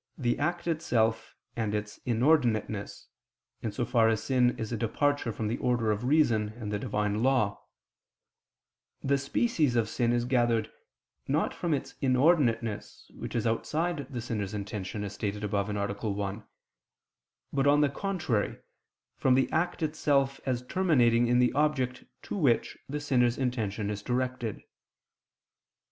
the act itself and its inordinateness, in so far as sin is a departure from the order of reason and the Divine law, the species of sin is gathered, not from its inordinateness, which is outside the sinner's intention, as stated above (A. 1), but one the contrary, from the act itself as terminating in the object to which the sinner's intention is directed.